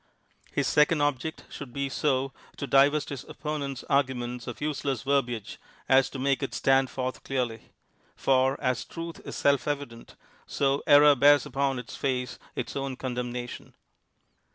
Ifis second object should be so to divest his oppo nent's argument of useless verbiage as to make it stand forth clearly; for as truth is self evident, so error bears upon its face its own condemna tion.